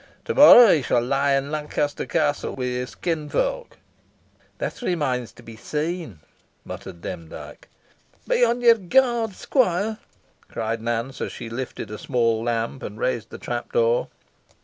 To morrow, he shall lie in Lancaster Castle with his kinsfolk." "That remains to be seen," muttered Demdike. "Be on your guard, squire," cried Nance, as she lifted a small lamp, and raised the trapdoor.